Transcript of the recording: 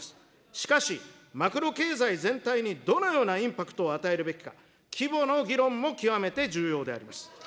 しかし、マクロ経済全体にどのようなインパクトを与えるべきか、規模の議論も極めて重要であります。